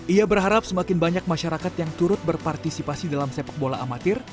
ia berharap semakin banyak masyarakat yang turut berpartisipasi dalam sepak bola amatir